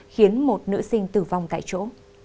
khiến một nữ sinh tử vong tại chỗ